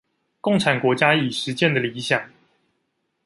共產國家已實踐的理想